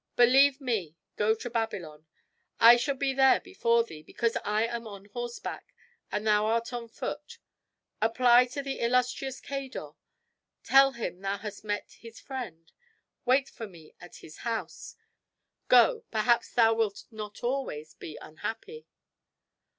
Believe me, go to Babylon. I shall be there before thee, because I am on horseback, and thou art on foot. Apply to the illustrious Cador; tell him thou hast met his friend; wait for me at his house; go, perhaps thou wilt not always be unhappy."